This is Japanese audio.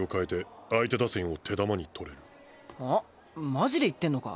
マジで言ってんのか？